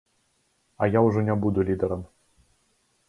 А я ўжо не буду лідэрам.